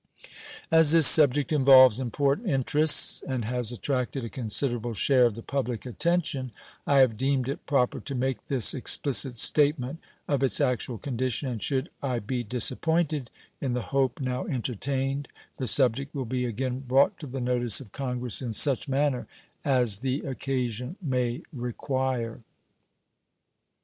As this subject involves important interests and has attracted a considerable share of the public attention, I have deemed it proper to make this explicit statement of its actual condition, and should I be disappointed in the hope now entertained the subject will be again brought to the notice of Congress in such manner as the occasion may require.